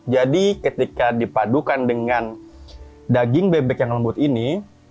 jadi ketika dipadukan dengan daging bebek yang lembut ini